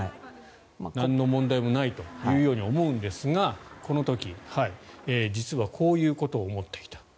なんの問題もないと思いますがこの時、実はこういうことを思っていた。